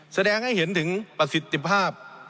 แสดงให้เห็นถึงประสิทธิภาพ